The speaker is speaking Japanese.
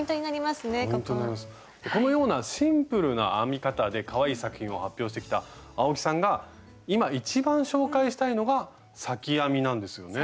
このようなシンプルな編み方でかわいい作品を発表してきた青木さんが今一番紹介したいのが裂き編みなんですよね？